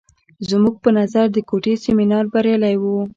زموږ په نظر د کوټې سیمینار بریالی و.